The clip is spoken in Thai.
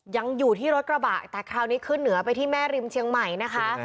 ยังอยู่ที่รถกระบะแต่คราวนี้ขึ้นเหนือไปที่แม่ริมเชียงใหม่นะคะ